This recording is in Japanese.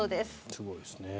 すごいですね。